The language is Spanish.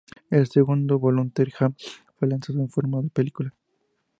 El segundo Volunteer Jam fue lanzado en formato de película.